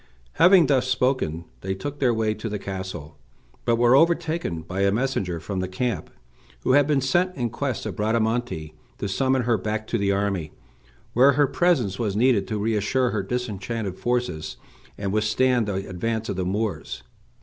Having thus spoken, they took their way to the castle, but were overtaken by a messenger from the camp, who had been sent in quest of Bradamante to summon her back to the army, where her presence was needed to reassure her disheartened forces, and withstand the advance of the Moors.